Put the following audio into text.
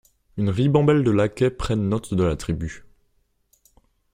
Une ribambelle de laquais prennent note de l'attribut.